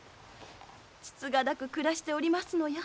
つつがなく暮らしておりますのや？